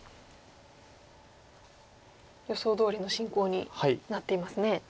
予想どおりの進行になっていますね。